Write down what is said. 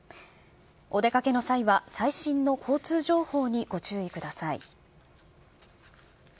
お出かけの際は最新の交通情報にご注意ください。